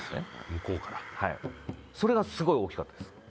向こうからそれがすごい大きかったです